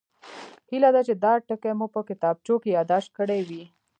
هیله ده چې دا ټکي مو په کتابچو کې یادداشت کړي وي